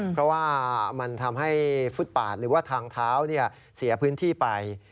เพราะว่ามันทำให้ฟุตปาดหรือว่าทางเท้าเสียพื้นที่ไป